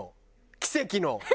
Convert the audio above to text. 奇跡の。